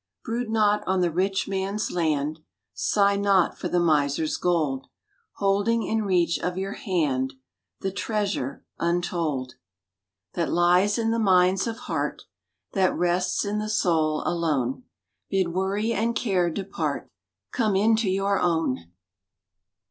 Brood not on the rich man s land, Sigh not for the miser s gold, Holding in reach of your hand The treasure untold That lies in the Mines of Heart, That rests in the soul alone Bid worry and care depart, Come into your own